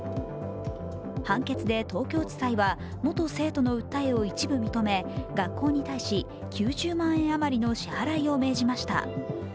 判決で東京地裁は、元生徒の訴えを一部認め学校に対し９０万円あまりの支払いを命じました。